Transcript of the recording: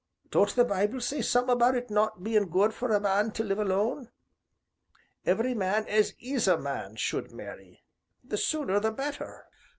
Don't the Bible say summat about it not bein' good for a man to live alone? Every man as is a man should marry the sooner the better."